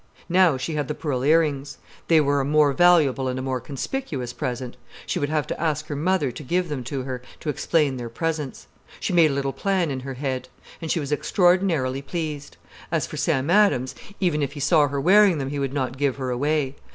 Now she had the pearl ear rings. They were a more valuable and a more conspicuous present. She would have to ask her mother to give them to her, to explain their presence. She made a little plan in her head. And she was extraordinarily pleased. As for Sam Adams, even if he saw her wearing them, he would not give her away.